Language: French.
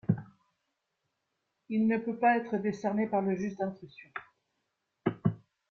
Il ne peut pas être décerné par le juge d'instruction.